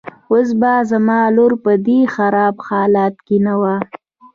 اوس به زما لور په دې خراب حالت کې نه وه.